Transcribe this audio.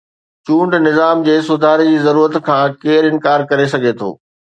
چونڊ نظام جي سڌاري جي ضرورت کان ڪير انڪار ڪري سگهي ٿو؟